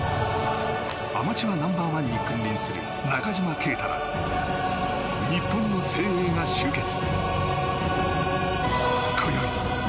アマチュアナンバー１に君臨する中島啓太ら、日本の精鋭が集結。